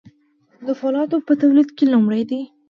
د فولادو په تولید کې لومړی دي.